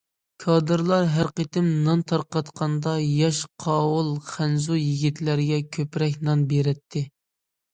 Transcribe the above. كادىرلار ھەر قېتىم نان تارقاتقاندا، ياش، قاۋۇل خەنزۇ يىگىتلەرگە كۆپرەك نان بېرەتتى.